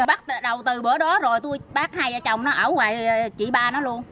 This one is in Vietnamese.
bắt đầu từ bữa đó rồi tôi bác hai vợ chồng nó ở ngoài chị ba nó luôn